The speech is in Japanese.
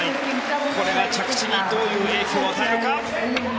これが着地にどういう影響を与えるか。